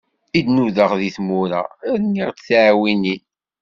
I d-nudaɣ deg tmura, rniɣ-d tiɛwinin.